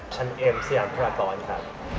ชั้นเอ็มซีอาร์พระกรณ์ค่ะ